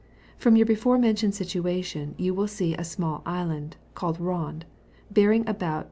From your before mentioned, situation you will see a 9mdU island^ caJled Rond, bearing about N.